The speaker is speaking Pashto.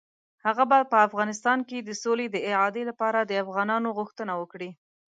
هغه به په افغانستان کې د سولې د اعادې لپاره د افغانانو غوښتنه وکړي.